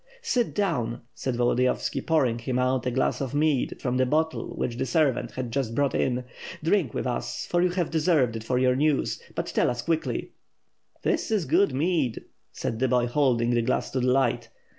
"Sit down!" said Volodiyovski, pouring him out a glass of mead from the bottle which the servant had just brought in. "Drink with us, for you have deserved it for your news; but tell us quickly." "This is good mead," said the boy, holding the glass to the light.